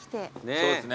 そうですね。